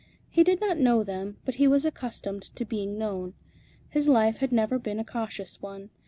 He did not know them, but he was accustomed to being known. His life had never been a cautious one.